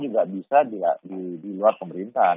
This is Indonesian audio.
juga bisa di luar pemerintahan